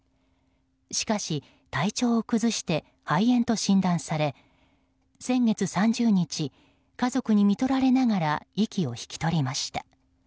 しかし体調を崩して肺炎と診断され先月３０日、家族にみとられながら息を引き取りました。